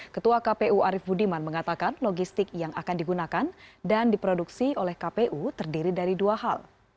ketua kpu arief budiman mengatakan logistik yang akan digunakan dan diproduksi oleh kpu terdiri dari dua hal